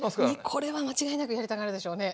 これは間違いなくやりたがるでしょうね。